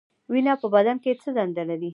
وینه په بدن کې څه دنده لري؟